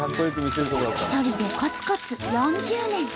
一人でコツコツ４０年。